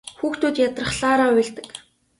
Хүүхдүүд ядрахлаараа уйлдаг.